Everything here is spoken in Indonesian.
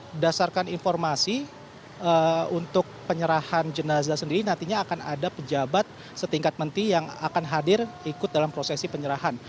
berdasarkan informasi untuk penyerahan jenazah sendiri nantinya akan ada pejabat setingkat menteri yang akan hadir ikut dalam prosesi penyerahan